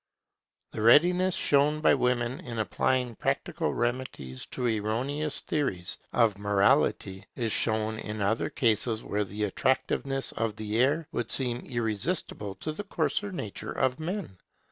The readiness shown by women in applying practical remedies to erroneous theories of morality is shown in other cases where the attractiveness of the error would seem irresistible to the coarser nature of men.